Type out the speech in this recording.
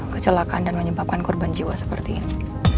kecelakaan dan menyebabkan korban jiwa seperti ini